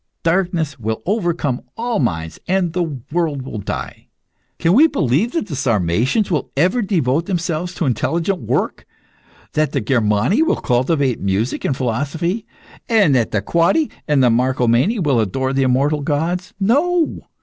Darkness will overcome all minds, and the world will die. Can we believe that the Sarmatians will ever devote themselves to intelligent work, that the Germani will cultivate music and philosophy, and that the Quadi and the Marcomani will adore the immortal gods? No!